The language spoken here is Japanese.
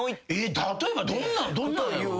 例えばどんなのやろう？